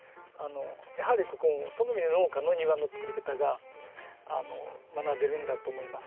やはりここもそういう意味で農家の庭のつくり方が学べるんだと思います。